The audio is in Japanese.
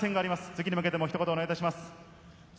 次に向けて一言お願いします。